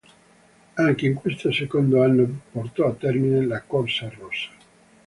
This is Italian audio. Anche in questo secondo anno portò a termine la "corsa rosa".